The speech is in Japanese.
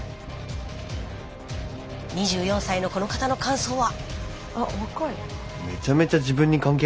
２４歳のこの方の感想は。